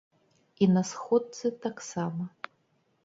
І на сходцы таксама.